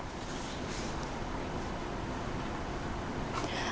thực phẩm bẩn